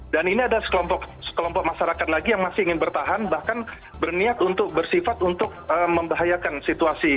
dan ini ada sekelompok masyarakat lagi yang masih ingin bertahan bahkan berniat untuk bersifat untuk membahayakan situasi